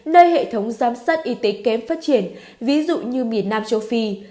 nơi hệ thống giám sát y tế kém phát triển ví dụ như miền nam châu phi